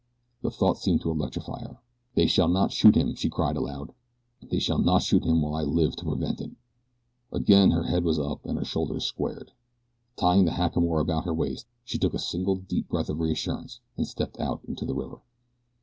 The thought seemed to electrify her. "They shall not shoot him!" she cried aloud. "They shall not shoot him while I live to prevent it!" Again her head was up and her shoulders squared. Tying the hackamore about her waist, she took a single deep breath of reassurance and stepped out into the river.